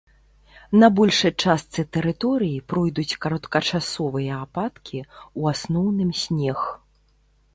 На большай частцы тэрыторыі пройдуць кароткачасовыя ападкі, у асноўным снег.